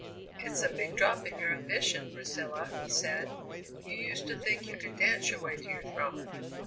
"It's a big drop in your ambition, Priscilla," he said; "you used to think you could dance your way to your throne."